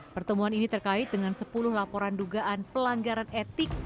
pertemuan ini terkait dengan sepuluh laporan dugaan pelanggaran etik